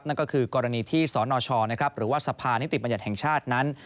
นั่นก็คือกรณีที่สนชหรือว่าสภานิติบัญญัติแห่งชาตินั้น